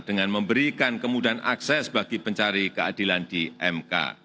dengan memberikan kemudahan akses bagi pencari keadilan di mk